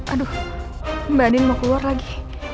aduh mbak den mau keluar lagi